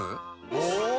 お！